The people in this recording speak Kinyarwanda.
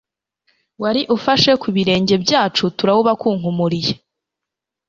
wari ufashe ku birenge byacu turawubakunkumururiye.